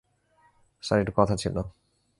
Sir, একটু কথা ছিল।